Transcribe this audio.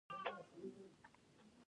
چې پالونکی او روزونکی د تمامو مخلوقاتو دی